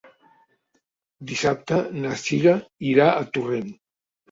Dissabte na Cira irà a Torrent.